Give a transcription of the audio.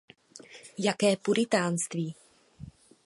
Jaké puritánství.